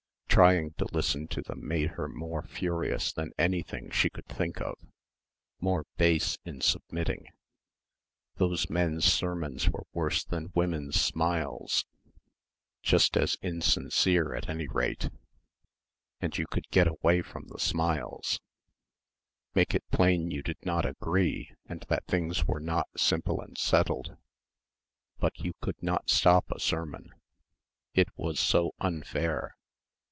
Trying to listen to them made her more furious than anything she could think of, more base in submitting ... those men's sermons were worse than women's smiles ... just as insincere at any rate ... and you could get away from the smiles, make it plain you did not agree and that things were not simple and settled ... but you could not stop a sermon. It was so unfair.